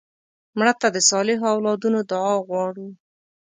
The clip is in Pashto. مړه ته د صالحو اولادونو دعا غواړو